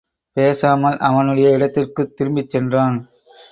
பேசாமல் அவனுடைய இடத்திற்குத் திரும்பிச் சென்றான்.